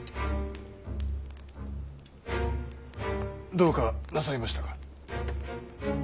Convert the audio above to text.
どうかなさいましたか？